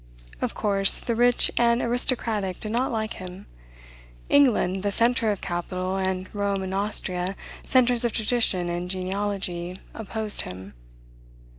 Of course, the rich and aristocratic did not like him. England, the center of capital, and Rome and Austria, centers of tradition and genealogy, opposed him.